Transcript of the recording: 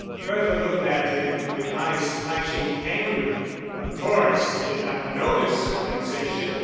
Bertha looked at him with eyes flashing angrily. Of course he did not notice her vexation.